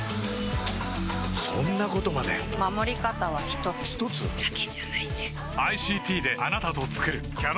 そんなことまで守り方は一つ一つ？だけじゃないんです